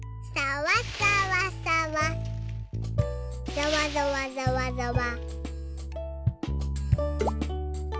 ざわざわざわざわ。